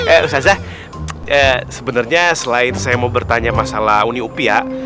eh ustazah sebenarnya selain saya mau bertanya masalah uni upia